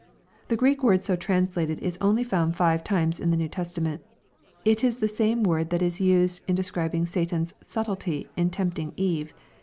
'] The Greek word so translated is only found five times in the New Testament It is the same word that 13 used in describing Satan's subtlety" in tempting Eve.